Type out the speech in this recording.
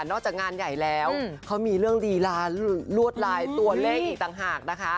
จากงานใหญ่แล้วเขามีเรื่องลีลาลวดลายตัวเลขอีกต่างหากนะคะ